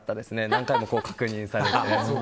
何回も確認されて。